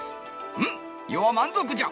「うん余は満足じゃ。